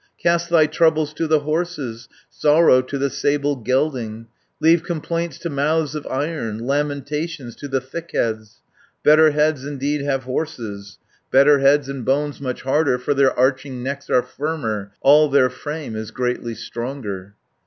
Cast thy troubles to the horses, Sorrow to the sable gelding. Leave complaints to mouths of iron, Lamentations to the thick heads, Better heads indeed have horses, Better heads, and bones much harder, For their arching necks are firmer, All their frame is greatly stronger.